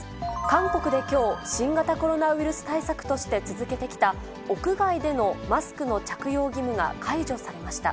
韓国できょう、新型コロナウイルス対策として続けてきた、屋外でのマスクの着用義務が解除されました。